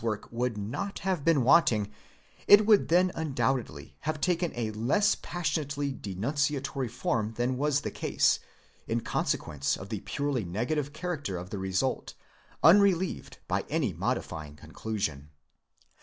work would not have been wanting, it would then undoubtedly have taken a less passionately denun ciatory form than was the case, in consequence of the purely negative character of the result, unrelieved by any modifying conclusion.